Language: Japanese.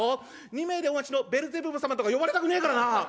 『２名でお待ちのベルゼブブ様！』とか呼ばれたくねえからな。